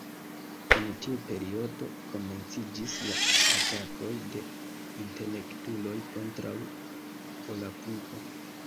En tiu periodo, komenciĝis la atakoj de intelektuloj kontraŭ Volapuko.